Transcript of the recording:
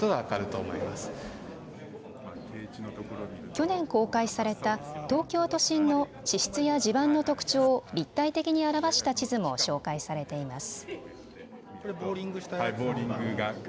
去年公開された東京都心の地質や地盤の特徴を立体的に表した地図も紹介されています。